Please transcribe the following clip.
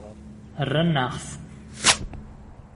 Rran-aɣ-t.